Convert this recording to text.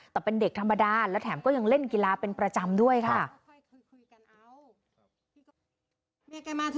แต่เป็นเด็กธรรมดาและแถมก็ยังเล่นกีฬาเป็นประจำด้วยค่ะ